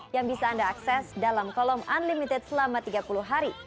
yang bisa anda akses dalam kolom unlimited selama tiga puluh hari